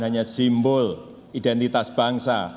hanya simbol identitas bangsa